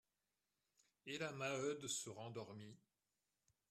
Et la Maheude se rendormit.